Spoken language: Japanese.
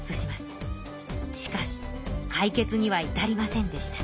しかし解決にはいたりませんでした。